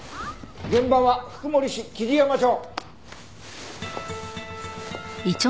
現場は福森市雉山町。